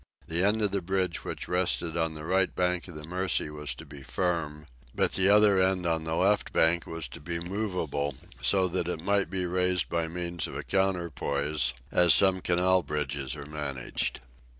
The end of the bridge which rested on the right bank of the Mercy was to be firm, but the other end on the left bank was to be movable, so that it might be raised by means of a counterpoise, as some canal bridges are managed.